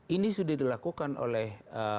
ini sudah dilakukan oleh